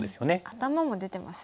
頭も出てますしね。